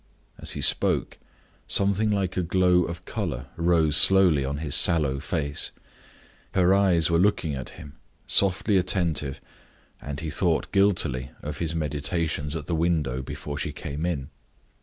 As he spoke, something like a glow of color rose slowly on his sallow face. Her eyes were looking at him, softly attentive; and he thought guiltily of his meditations at the window before she came in.